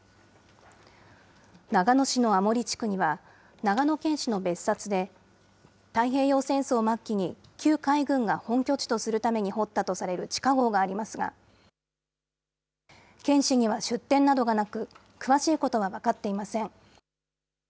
長野市の安茂里地区には、長野県史の別冊で、太平洋戦争末期に、旧海軍が本拠地とするために掘ったとされる地下ごうがありますが、県史には出典などがなく、詳しいことは分かっていません。